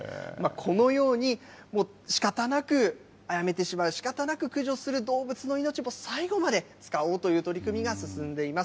このように、しかたなく殺めてしまう、しかたなく駆除する動物の命も最後まで使おうという取り組みが進んでいます。